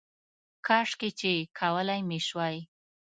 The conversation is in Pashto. کاشکې چې کولی مې شوای